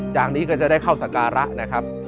จากนี้ก็จะได้เข้าสการะนะครับ